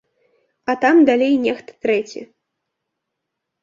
А там далей нехта трэці.